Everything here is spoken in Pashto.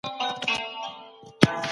د خیاطۍ او ګلدوزۍ کارونه روان وو.